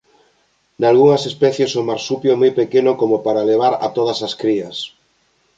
Nalgunhas especies o marsupio é moi pequeno como para levar a todas as crías.